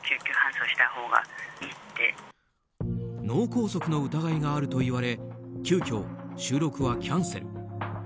脳梗塞の疑いがあると言われ急きょ、収録はキャンセル。